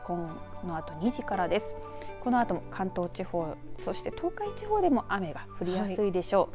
このあとも関東地方そして東海地方でも雨が降りやすいでしょう。